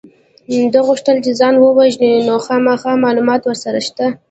ده غوښتل چې ځان ووژني نو خامخا معلومات ورسره شته